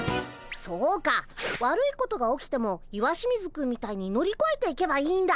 そうか悪いことが起きても石清水くんみたいに乗りこえていけばいいんだ。